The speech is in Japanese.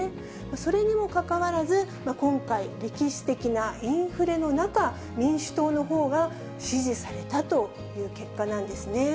それにもかかわらず、今回、歴史的なインフレの中、民主党のほうが支持されたという結果なんですね。